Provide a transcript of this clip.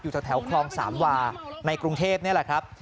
แถวคลองสามวาในกรุงเทพนี่แหละครับ